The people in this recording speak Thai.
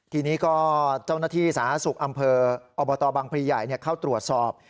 ทีนี้ก็เจ้าหน้าที่สาธารณสุขอำเภออบตบังพลีใหญ่เข้าตรวจสอบ